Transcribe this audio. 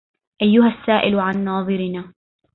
أيها السائل عن ناظرنا